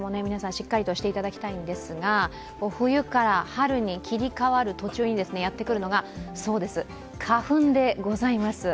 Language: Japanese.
しっかりとしていただきたいんですが冬から春に切り替わる途中にやってくるのが、そうです、花粉でございます。